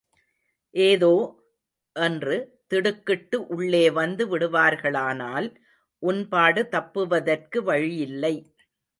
ஏதோ? என்று திடுக்கிட்டு உள்ளே வந்து விடுவார்களானால் உன்பாடு தப்புவதற்கு வழியில்லை.